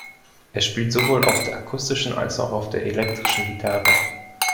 Er spielt sowohl auf der akustischen als auch auf der elektrischen Gitarre.